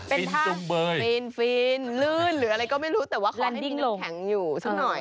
เป็นถ้ำฟินลื่นหรืออะไรก็ไม่รู้แต่ว่าเขาให้กินน้ำแข็งอยู่สักหน่อย